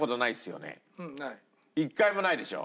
１回もないでしょ？